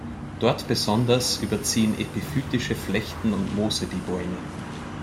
Dort besonders, überziehen epiphytische Flechten und Moose die Bäume.